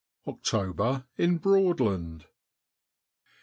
OCTOBEK IN BKOADLAND.